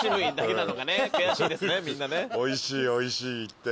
おいしいおいしい言って。